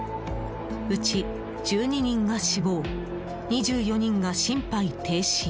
うち１２人が死亡２４人が心肺停止。